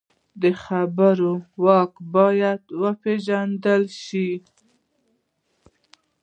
د خبرو واک باید وپېژندل شي